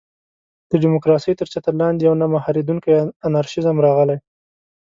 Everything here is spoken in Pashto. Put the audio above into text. د ډیموکراسۍ تر چتر لاندې یو نه مهارېدونکی انارشېزم راغلی.